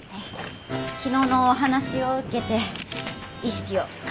昨日のお話を受けて意識を変えさせて頂きました。